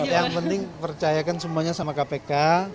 yang penting percayakan semuanya sama kpk